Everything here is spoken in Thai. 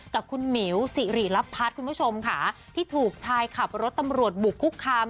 กับคุณหมิวสิริรับพัฒน์คุณผู้ชมค่ะที่ถูกชายขับรถตำรวจบุกคุกคาม